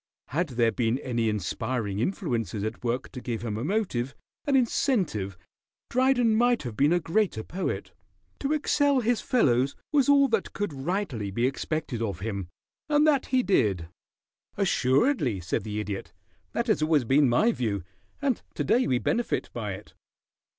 Had there been any inspiring influences at work to give him a motive, an incentive, Dryden might have been a greater poet. To excel his fellows was all that could rightly be expected of him, and that he did." "Assuredly," said the Idiot. "That has always been my view, and to day we benefit by it.